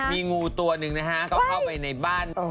มีงูตัวหนึ่งนะฮะก็เข้าไปในบ้าน